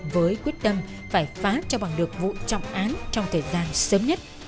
với quyết tâm phải phá cho bằng được vụ trọng án trong thời gian sớm nhất